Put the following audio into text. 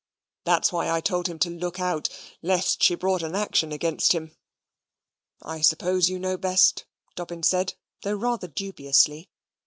That's why I told him to look out, lest she brought an action against him." "I suppose you know best," Dobbin said, though rather dubiously.